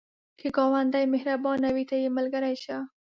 که ګاونډی مهربانه وي، ته یې ملګری شه